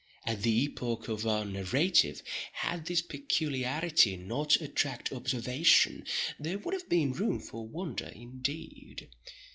At the epoch of our narrative, had this peculiarity not attracted observation, there would have been room for wonder indeed.